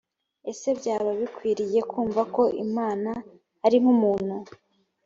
ese byaba bikwiriye kumva ko imana ari nkumuntu?